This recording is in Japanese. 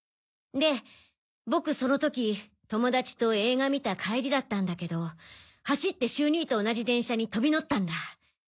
んで僕その時友達と映画観た帰りだったんだけど走って秀兄と同じ電車に飛び乗ったんだ。